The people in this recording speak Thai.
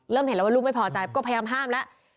เห็นแล้วว่าลูกไม่พอใจก็พยายามห้ามแล้ว